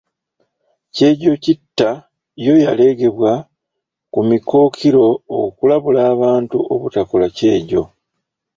Kyejokitta yo yaleegebwa ku mikookiro okulabula abantu obutakola kyejo.